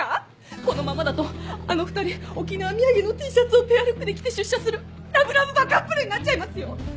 このままだとあの２人沖縄土産のＴシャツをペアルックで着て出社するラブラブバカップルになっちゃいますよ！